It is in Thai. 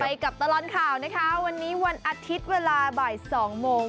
ไปกับตลอดข่าววันนี้วันอาทิตย์เวลาบ่าย๒โมง